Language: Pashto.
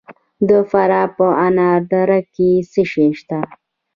د فراه په انار دره کې څه شی شته؟